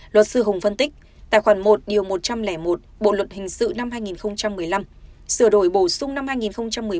luật sư hùng phân tích tại khoảng một điều một trăm linh một bộ luật hình sự năm hai nghìn một mươi năm sửa đổi bổ sung năm hai nghìn một mươi bảy